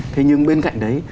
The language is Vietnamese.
thế nhưng bên cạnh đấy